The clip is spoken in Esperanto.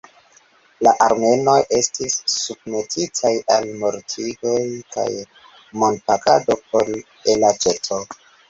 La armenoj estis submetitaj al mortigoj kaj monpagado por elaĉeto.